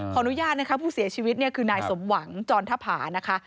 ขออนุญาตนะคะผู้เสียชีวิตเนี่ยคือนายสมหวังจรทภานะคะ